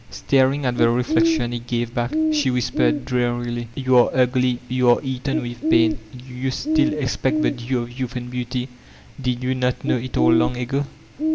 Staring at the reflection it gave back, she whbpexed drearily : "You are ugly, you are eaten with pain I Do you still expect the due of youth and beauty? Did yon not know it all long ago?"